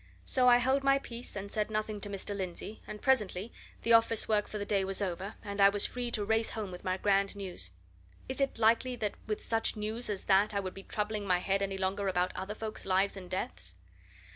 So I held my peace and said nothing to Mr. Lindsey and presently the office work for the day was over and I was free to race home with my grand news. Is it likely that with such news as that I would be troubling my head any longer about other folks' lives and deaths?